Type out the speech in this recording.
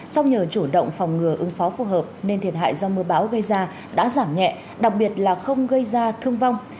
song nhờ chủ động phòng ngừa ứng phó phù hợp nên thiệt hại do mưa bão gây ra đã giảm nhẹ đặc biệt là không gây ra thương vong